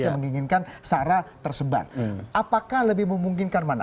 yang menginginkan sarah tersebar apakah lebih memungkinkan mana